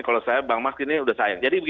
kalau saya bang max ini udah sayang